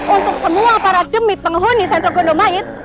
untuk semua para demi penghuni sentro gondomait